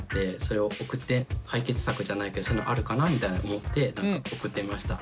解決策じゃないけどそういうのあるかなみたいな思って送ってみました。